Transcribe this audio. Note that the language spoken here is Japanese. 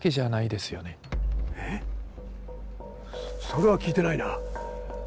それは聞いてないな。